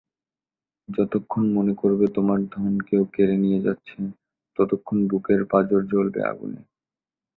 যতক্ষণ মনে করবে তোমার ধন কেউ কেড়ে নিয়ে যাচ্ছে ততক্ষণ বুকের পাঁজর জ্বলবে আগুনে।